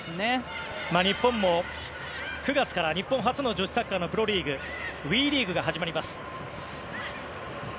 日本も９月から日本初の女子サッカーのプロリーグＷＥリーグが始まります。